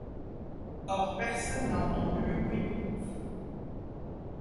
Or personne n'a entendu le bruit du coup de feu.